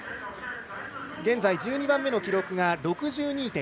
現在１２番目の記録が６２．５０。